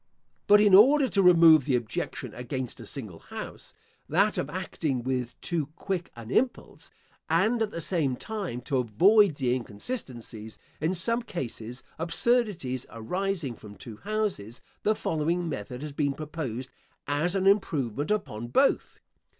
But in order to remove the objection against a single house (that of acting with too quick an impulse), and at the same time to avoid the inconsistencies, in some cases absurdities, arising from two houses, the following method has been proposed as an improvement upon both.